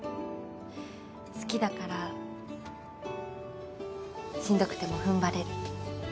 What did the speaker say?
好きだからしんどくても踏ん張れる。